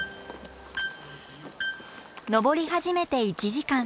登り始めて１時間。